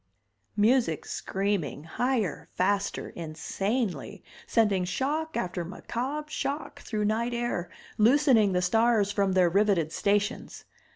Music screaming, higher, faster, insanely, sending shock after macabre shock thru night air, loosening the stars from their riveted stations.